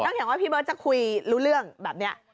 ผมฉ่อยังมองให้พี่เบิร์ตจะคุยรู้เรื่องแบบเนี้ย